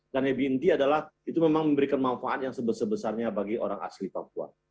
dan yang lebih inti adalah itu memang memberikan manfaat yang sebesar besarnya bagi orang asli papua